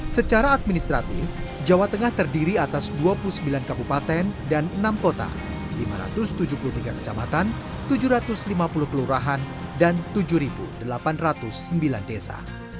secara administratif jawa tengah terdiri atas dua puluh sembilan kabupaten dan enam kota lima ratus tujuh puluh tiga kecamatan tujuh ratus lima puluh kelurahan dan tujuh delapan ratus sembilan desa